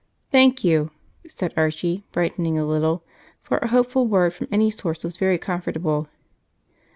"Thank you," said Archie, brightening a little, for a hopeful word from any source was very comfortable.